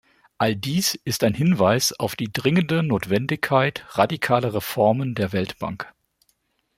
All dies ist ein Hinweis auf die dringende Notwendigkeit radikaler Reformen der Weltbank.